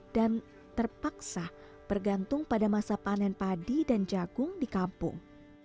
dan terpaksa bergantung pada masa panen padi dan jagung di kampung